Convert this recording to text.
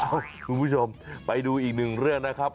คุณผู้ชมไปดูอีกหนึ่งเรื่องนะครับ